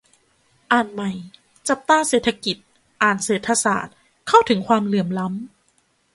อ่านใหม่ : จับตาเศรษฐกิจ - อ่านเศรษฐศาสตร์ - เข้าถึงความเหลื่อมล้ำ